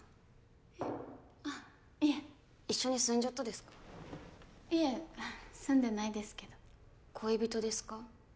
えっ？あっいえ一緒に住んじょっとですかいえ住んでないですけど恋人ですか？